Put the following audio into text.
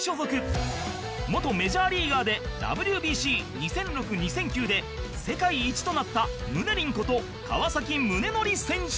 元メジャーリーガーで ＷＢＣ２００６２００９ で世界一となったムネリンこと川宗則選手